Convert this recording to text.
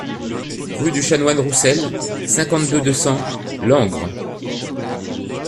Rue du Chanoine Roussel, cinquante-deux, deux cents Langres